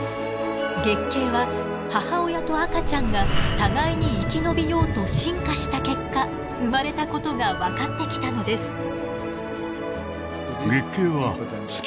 月経は母親と赤ちゃんが互いに生き延びようと進化した結果生まれたことが分かってきたのです。